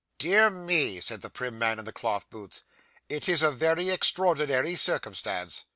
'Dear me,' said the prim man in the cloth boots, 'it is a very extraordinary circumstance.